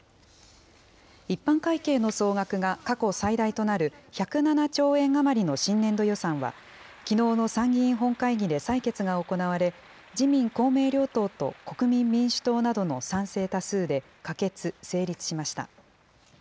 一般会計の総額が過去最大となる１０７兆円余りの新年度予算は、きのうの参議院本会議で採決が行われ、自民、公明両党と国民民主党などの賛成多数で可決・成立しました。